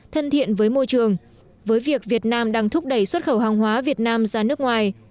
thân thiện với môi trường với việc việt nam đang thúc đẩy xuất khẩu hàng hóa việt nam ra nước ngoài